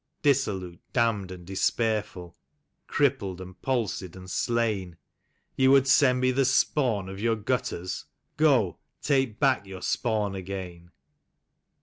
Dissolute, damned and despairful, crippled and palsied and slain, Ye would send me the spawn of your gutters — Go ! take back your spawn again.